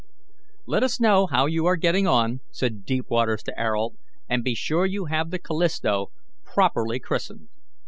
"Let us know how you are getting on," said Deepwaters to Ayrault, "and be sure you have the Callisto properly christened.